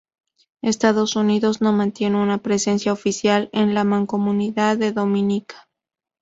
Estados Unidos no mantienen una presencia oficial en la Mancomunidad de Dominica.